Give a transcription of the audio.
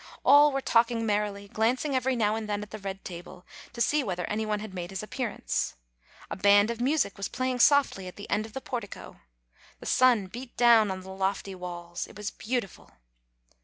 All were talking merrily, glanc ing every now and then at the red table, to see whether any one had made his appearance. A band of music was playing softly at the end of the portico. The sun beat down on the lofty walls. It was beautiful.